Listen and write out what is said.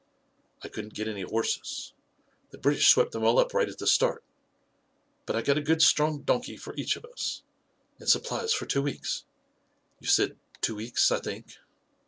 I couldn't get any horses — the British swept them all up right at the start; but I got a good strong donkey for each of us. And supplies for two weeks. You said two weeks, I think?"